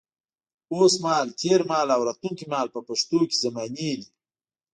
اوس مهال، تېر مهال او راتلونکي مهال په پښتو کې زمانې دي.